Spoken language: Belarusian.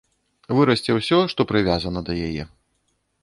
Вырасце ўсё, што прывязана да яе.